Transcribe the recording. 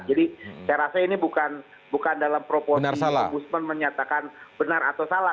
jadi saya rasa ini bukan dalam proponnya om busman menyatakan benar atau salah